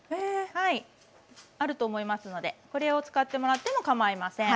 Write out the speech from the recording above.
はいあると思いますのでこれを使ってもらってもかまいません。